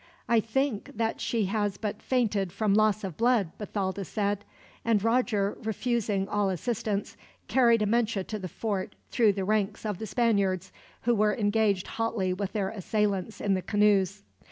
"I think that she has but fainted from loss of blood," Bathalda said; and Roger, refusing all assistance, carried Amenche to the fort through the ranks of the Spaniards, who were engaged hotly with their assailants in the canoes.